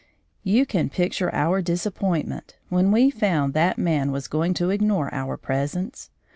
You can picture our disappointment when we found that man was going to ignore our presence.